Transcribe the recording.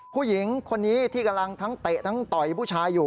ผู้หญิงคนนี้ที่กำลังทั้งเตะทั้งต่อยผู้ชายอยู่